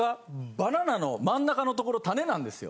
バナナの真ん中のところ種なんですよ。